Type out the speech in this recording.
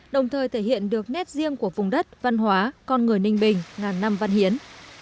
đồng thời thể hiện được nét riêng của vùng đất văn hóa con người ninh bình ngàn năm văn hiến